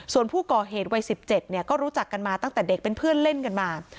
ส่วนผู้ก่อเหตุวัย๑๗ก็รู้จักกันมาตั้งแต่เด็กเป็นเพื่อนเล่นกันมา